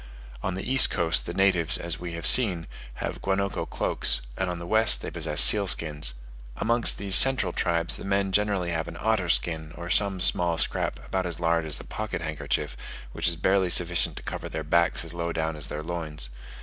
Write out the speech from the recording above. On the east coast the natives, as we have seen, have guanaco cloaks, and on the west they possess seal skins. Amongst these central tribes the men generally have an otter skin, or some small scrap about as large as a pocket handkerchief, which is barely sufficient to cover their backs as low down as their loins.